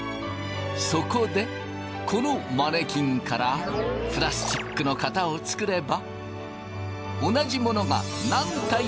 そこでこのマネキンからプラスチックの型を作れば。